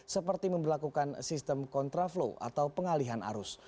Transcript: seperti memperlakukan sistem kontraflow atau pengalihan arus